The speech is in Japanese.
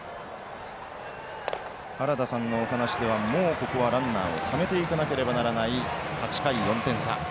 原田さんのお話ではもうここはランナーをためていかなければならない８回４点差。